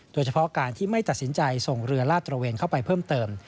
โดยเฉพาะการที่ไม่ตัดสินใจส่งเรือลาดตระเวนเข้าไปเพิ่มเติม